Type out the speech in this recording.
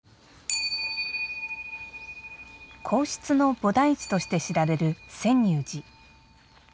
皇室の菩提寺として知られる泉涌寺。